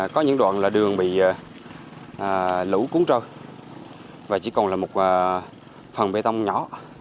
có những đoạn là đường bị lũ cuốn trôi và chỉ còn là một phần bê tông nhỏ